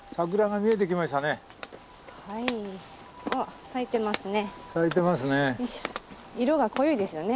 ああ咲いてますね。